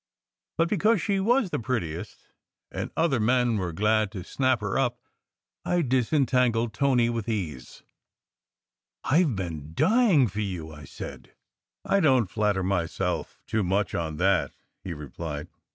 But because she was the prettiest, and other men were glad to snap her up, I disentangled Tony with ease. " I ve been dying for you !" I said. 194 SECRET HISTORY "I don t flatter myself too much on that," he replied.